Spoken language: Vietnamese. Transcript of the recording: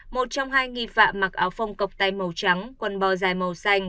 một trong hai nghi phạm mặc áo phông cọc tay màu trắng quần bò dài màu xanh